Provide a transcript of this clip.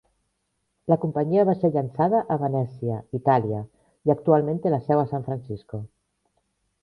La companyia va ser llançada a Venècia, Itàlia, i actualment té la seu a San Francisco.